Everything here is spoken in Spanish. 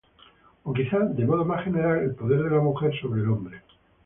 O quizá, de modo más general, al poder de la mujer sobre el hombre.